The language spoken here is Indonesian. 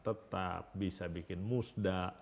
tetap bisa bikin musda